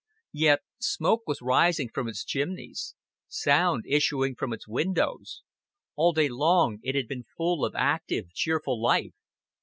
Yet smoke was rising from its chimneys, sound issuing from its windows. All day long it had been full of active cheerful life.